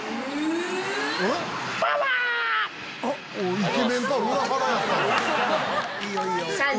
イケメンとは裏腹やった。